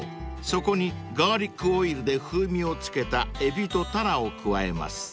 そこにガーリックオイルで風味を付けたエビとタラを加えます］